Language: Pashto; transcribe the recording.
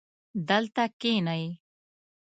دلته کښېنئ